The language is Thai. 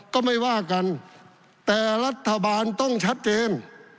ก็ไม่ว่ากันแต่รัฐบาลต้องชัดเจน